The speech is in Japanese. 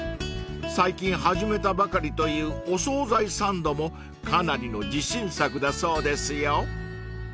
［最近始めたばかりというお惣菜サンドもかなりの自信作だそうですよ］